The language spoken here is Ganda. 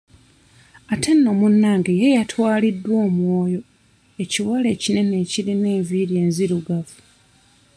Ate nno munnange ye yatwaliddwa omwoyo ekiwala ekinene ekirina enviiri enzirugavu.